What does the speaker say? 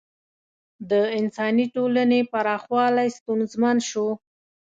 د انساني ټولنې پراخوالی ستونزمن شو.